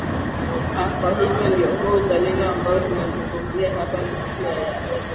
aa kwa hivyo ndio huo uzalendo ambao tunauzungumzia hapa na siku ya leo